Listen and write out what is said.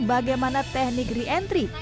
bagaimana teknik reentry